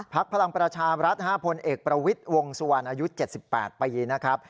พลังประชารัฐพลเอกประวิทย์วงสุวรรณอายุ๗๘ปีนะครับ